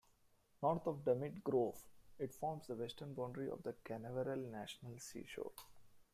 North of Dummit Grove, it forms the western boundary of the Canaveral National Seashore.